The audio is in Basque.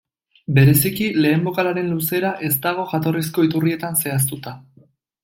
Bereziki, lehen bokalaren luzera, ez dago jatorrizko iturrietan zehaztua.